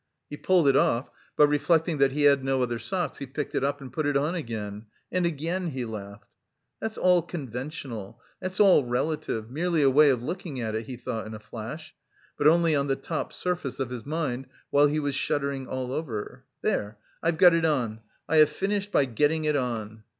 He pulled it off, but reflecting that he had no other socks, he picked it up and put it on again and again he laughed. "That's all conventional, that's all relative, merely a way of looking at it," he thought in a flash, but only on the top surface of his mind, while he was shuddering all over, "there, I've got it on! I have finished by getting it on!"